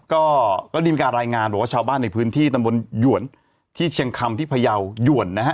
ก็ได้มีการรายงานบอกว่าชาวบ้านในพื้นที่ตำบลหยวนที่เชียงคำที่พยาวหยวนนะฮะ